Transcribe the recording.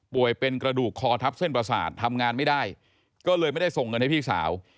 เป็นกระดูกคอทับเส้นประสาททำงานไม่ได้ก็เลยไม่ได้ส่งเงินให้พี่สาว